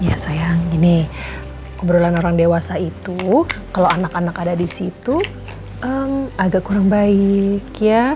ya sayang gini kebetulan orang dewasa itu kalau anak anak ada di situ agak kurang baik ya